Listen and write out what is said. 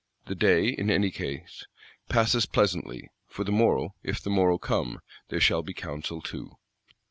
The day, in any case, passes pleasantly; for the morrow, if the morrow come, there shall be counsel too.